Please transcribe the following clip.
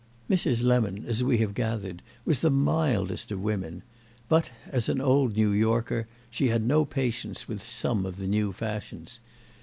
Mrs. Lemon, as we have gathered, was the mildest of women; but, as an old New Yorker, she had no patience with some of the new fashions.